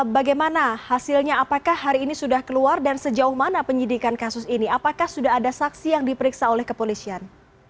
bagaimana hasilnya apakah hari ini sudah keluar dan sejauh mana penyidikan kasus ini apakah sudah ada saksi yang diperiksa oleh kepolisian